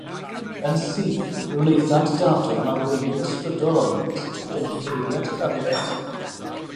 Yn syth, fe wnaethant Dado yn arweinydd ysbrydol arnynt ac yn "offeiriad cariad".